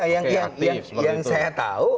yang saya tahu